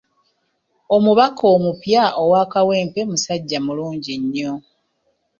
Omubaka omupya owa Kawempe musajja mulungi nnyo.